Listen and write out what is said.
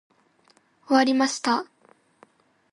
終わりました。